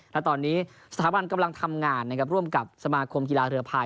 และตอนนี้สถาบันกำลังทำงานนะครับร่วมกับสมาคมกีฬาเรือภาย